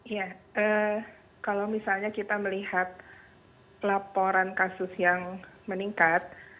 ya kalau misalnya kita melihat laporan kasus yang meningkat